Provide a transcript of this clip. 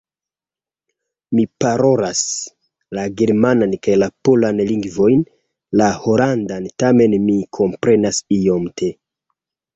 Mi parolas la germanan kaj la polan lingvojn; la holandan tamen mi komprenas iomete.